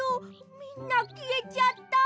みんなきえちゃった。